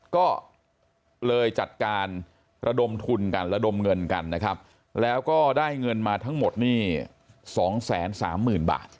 ก็เลยจัดการระดมทุนกันระดมเงินกันนะครับแล้วก็ได้เงินมาทั้งหมดนี่๒๓๐๐๐บาท